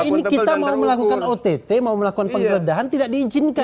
kalau ini kita mau melakukan ott mau melakukan penggeledahan tidak diizinkan